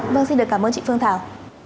vâng xin được cảm ơn chị phương thảo